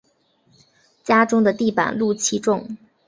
家中的地板露气重